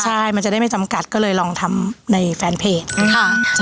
ใช่มันจะได้ไม่จำกัดก็เลยลองทำในแฟนเพจค่ะ